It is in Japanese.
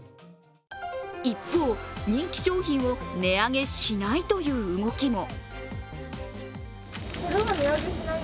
一方、人気商品を値上げしないという動きも。